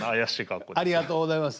ありがとうございます。